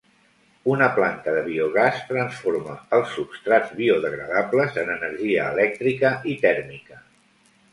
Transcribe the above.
Una planta de biogàs transforma els substrats biodegradables en energia elèctrica i tèrmica.